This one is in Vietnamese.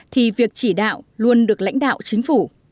thì việc chỉ đạo luôn được lãnh đạo chính phủ